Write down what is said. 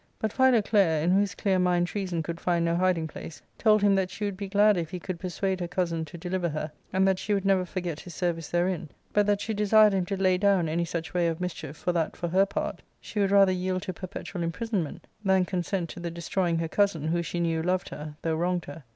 But Philoclea, in whose clear mind treason could find no hiding place, told him that she would be glad if he could persuade her cousin to deliver her, and that she would never forget his service therein ; but that she desired him to lay down any such way of mischief, for that, for her part, she would rather yield to perpetual imprisonment than consent to the destroying her cousin, who, she knew, loved her, though wronged her.